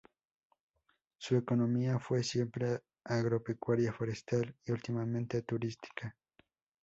Su economía fue siempre agropecuaria, forestal y últimamente turística.